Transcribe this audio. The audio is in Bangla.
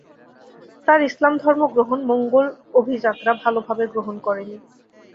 তার ইসলাম ধর্ম গ্রহণ মঙ্গোল অভিজাতরা ভাল ভাবে গ্রহণ করে নি।